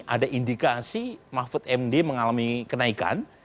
ada indikasi mahfud md mengalami kenaikan